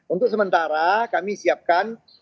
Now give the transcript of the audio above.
untuk sementara kami siapkan